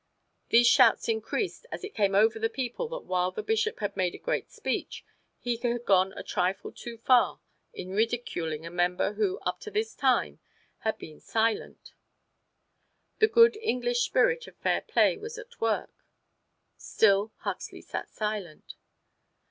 These shouts increased as it came over the people that while the Bishop had made a great speech, he had gone a trifle too far in ridiculing a member who up to this time had been silent. The good English spirit of fair play was at work. Still Huxley sat silent.